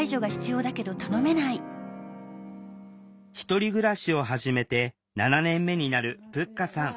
１人暮らしを始めて７年目になるぷっかさん